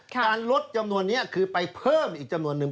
การลดจำนวนนี้คือไปเพิ่มอีกจำนวนนึง